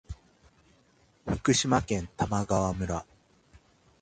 福島県玉川村